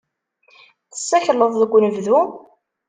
Tessakleḍ deg unebdu?